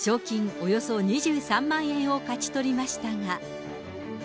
およそ２３万円を勝ち取りましたが。